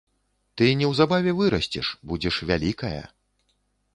Ты неўзабаве вырасцеш, будзеш вялікая.